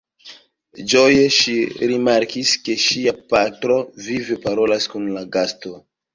Ĝoje ŝi rimarkis, ke ŝia patro vive parolas kun la gasto.